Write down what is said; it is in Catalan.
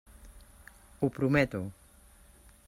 Ho prometo.